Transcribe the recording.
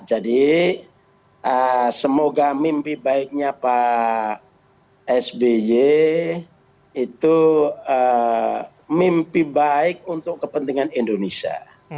jadi semoga mimpi baiknya pak sby itu mimpi baik untuk kepentingan indonesia